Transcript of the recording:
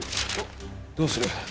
どうする？